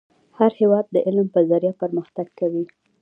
هر هیواد د علم په ذریعه پرمختګ کوي .